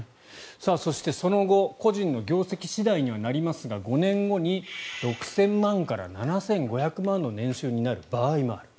そしてその後個人の業績次第にはなりますが５年後に６０００万円から７５００万円の年収になる場合もある。